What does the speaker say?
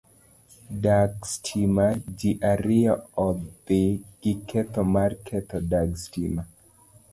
Dag stima- ji ariyo ondhi giketho mar ketho dag stima